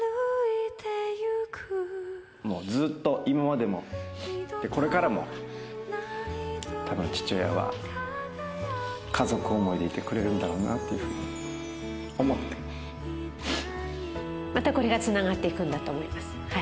もうずっと今までも、これからもたぶん父親は家族思いでいてくれるんだろうなっていうまたこれがつながっていくんだと思います。